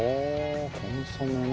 コンソメね。